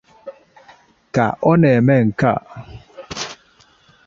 Ka ọ na-eme nke a